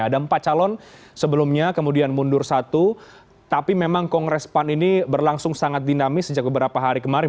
ada empat calon sebelumnya kemudian mundur satu tapi memang kongres pan ini berlangsung sangat dinamis sejak beberapa hari kemarin